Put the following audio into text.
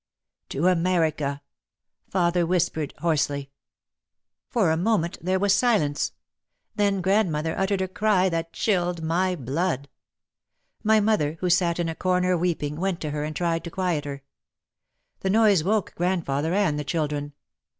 "To America," father whispered hoarsely. i 4 OUT OF THE SHADOW For a moment there was silence; then grandmother uttered a cry that chilled my blood. My mother, who sat in a corner weeping, went to her and tried to quiet her. The noise woke grandfather and the children.